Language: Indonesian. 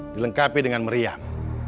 dilengkapi dengan meriam